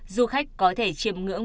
du khách có thể chiếm ngưỡng